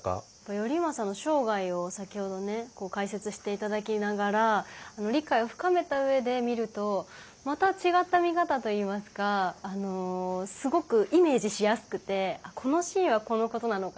頼政の生涯を先ほどね解説していただきながら理解を深めた上で見るとまた違った見方といいますかすごくイメージしやすくて「このシーンはこのことなのかな」とか。